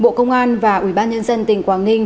bộ công an và ubnd tỉnh quảng ninh